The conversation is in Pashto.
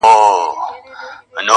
خو زه بيا داسي نه يم.